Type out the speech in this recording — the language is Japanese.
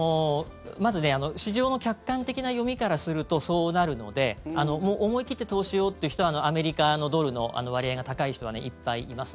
まず、市場の客観的な読みからするとそうなるのでもう思い切って投資をという人はアメリカのドルの割合が高い人はいっぱいいます。